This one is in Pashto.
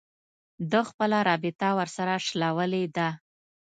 ده خپله رابطه ورسره شلولې ده